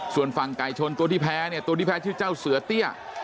ส่วนฝั่งไก่ชนตัวที่แพ้เนี่ยตัวที่แพ้ชื่อเจ้าเสือเตี้ย